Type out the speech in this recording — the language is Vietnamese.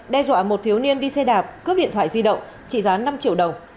đe dọa một thiếu niên đi xe đạp cướp điện thoại di động trị giá năm triệu đồng